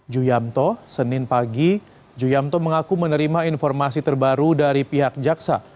ju yamto senin pagi juyamto mengaku menerima informasi terbaru dari pihak jaksa